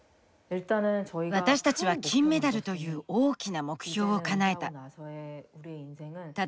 私たちは金メダルという大きな目標をかなえた。